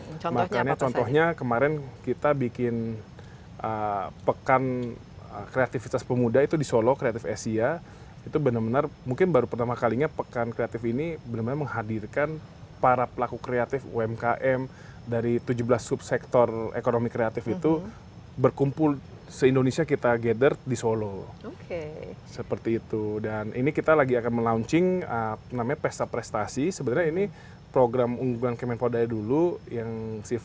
pemuda ini sekarang saya agak detail contohnya kemarin kita bikin pekan kreativitas pemuda itu di solo kreatif asia itu benar benar mungkin baru pertama kalinya pekan kreatif ini benar benar menghadirkan para pelaku kreatif umkm dari tujuh belas subsektor ekonomi kreatif itu berkumpul se indonesia kita gathered di solo seperti itu dan ini kita lagi akan melaunching namanya pesta prestasi sebenarnya ini program pendidikan dan meluncurkan integrasi yang banyak dan ini kita lagi akan melaunching namanya pesta prestasi sebenarnya ini program